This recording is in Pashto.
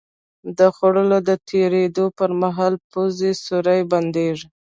د خوړو د تېرېدو په مهال پوزې سوری بندېږي.